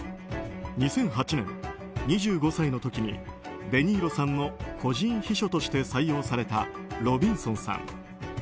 ２００８年、２５歳の時にデ・ニーロさんの個人秘書として採用されたロビンソンさん。